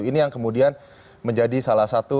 ini yang kemudian menjadi salah satu